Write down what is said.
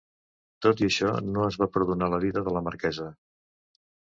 Tot i això, no es va perdonar la vida de la marquesa.